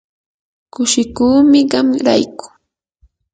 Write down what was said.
kushikuumi qam rayku.